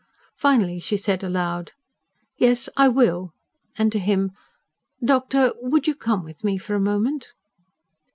Finally she said aloud: "Yes, I will." And to him: "Doctor, would you come with me a moment?"